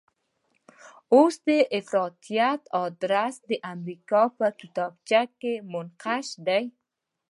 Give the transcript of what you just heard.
اوس د افراطیت ادرس د امریکا په کتابچه کې منقش دی.